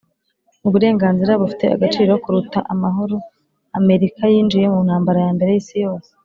'uburenganzira bufite agaciro kuruta amahoro': amerika yinjiye mu ntambara ya mbere y'isi yose